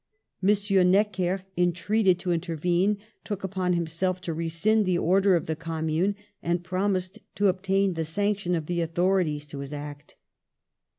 M. Necker, entreated to intervene, took upon himself to rescind the order of the Commune, and promised to obtain the sanction of the authorities to his act.